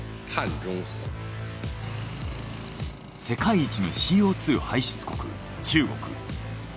世界一のＣＯ２排出国中国。